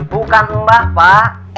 bukan mbah pak